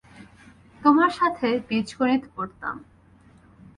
তোমার সাথে বীজগণিত পড়তাম।